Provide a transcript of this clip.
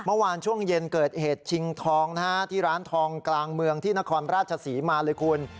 เมื่อวานช่วงเย็นเกิดเหตุชิงทองนะฮะที่ร้านทองกลางเมืองที่นครราชศรีมาเลยคุณ